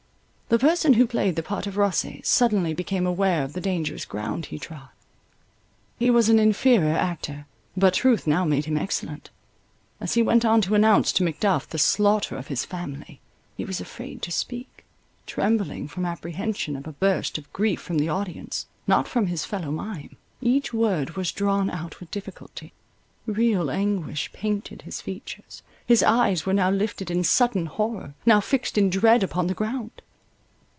The person who played the part of Rosse, suddenly became aware of the dangerous ground he trod. He was an inferior actor, but truth now made him excellent; as he went on to announce to Macduff the slaughter of his family, he was afraid to speak, trembling from apprehension of a burst of grief from the audience, not from his fellow mime. Each word was drawn out with difficulty; real anguish painted his features; his eyes were now lifted in sudden horror, now fixed in dread upon the ground.